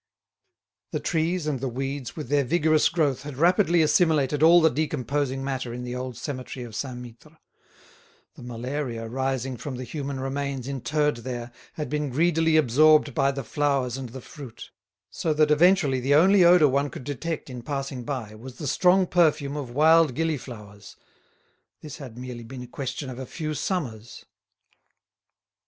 The trees and the weeds with their vigorous growth had rapidly assimilated all the decomposing matter in the old cemetery of Saint Mittre; the malaria rising from the human remains interred there had been greedily absorbed by the flowers and the fruit; so that eventually the only odour one could detect in passing by was the strong perfume of wild gillyflowers. This had merely been a question of a few summers.